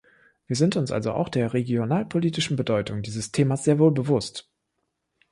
Wir sind uns also auch der regionalpolitischen Bedeutung dieses Themas sehr wohl bewusst.